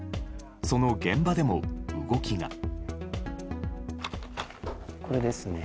その現場でも動きが。